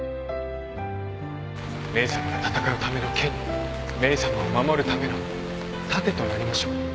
メイさまが戦うための剣にメイさまを守るための盾となりましょう